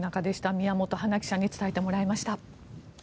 宮本華記者に伝えてもらいました。